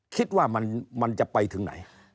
คิดว่ามันจะไปถึงไหน